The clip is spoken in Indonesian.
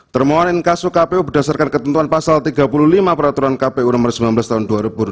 termohon inkasu kpu berdasarkan ketentuan pasal tiga puluh lima peraturan kpu nomor sembilan belas tahun dua ribu delapan belas